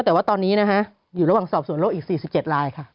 แต่ว่าตอนนี้นะฮะอยู่ระหว่างสอบสวนโลกอีก๔๗ลายค่ะ